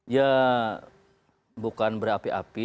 ya bukan berapi api